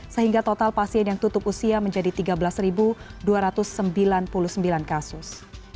sehingga total pasien yang tutup usia menjadi tiga belas dua ratus sembilan puluh sembilan kasus